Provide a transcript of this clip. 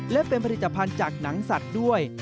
และเป็นผลิตภัณฑ์จากหนังสัตว์ด้วย